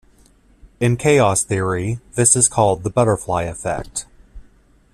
In chaos theory, this is called the butterfly effect.